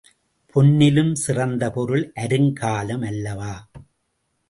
பொன்னினும் சிறந்த பொருள் அருங்காலம், அல்லவா?